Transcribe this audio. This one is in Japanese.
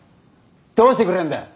どうしてくれるんだよ。